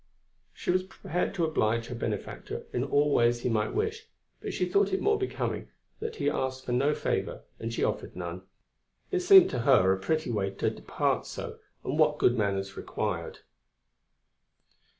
She was prepared to oblige her benefactor in all ways he might wish, but she thought it more becoming that he asked for no favour and she offered none; it seemed to her a pretty way to part so, and what good manners required.